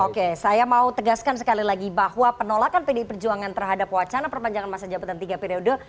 oke saya mau tegaskan sekali lagi bahwa penolakan pdi perjuangan terhadap wacana perpanjangan masa jabatan tiga periode